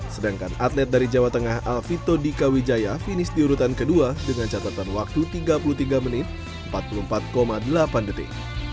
sedangkan atlet dari jawa tengah alvito dika wijaya finish di urutan kedua dengan catatan waktu tiga puluh tiga menit empat puluh empat delapan detik